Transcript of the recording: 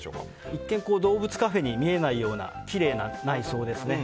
一見動物カフェに見えないようなきれいな内装ですね。